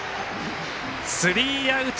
スリーアウト。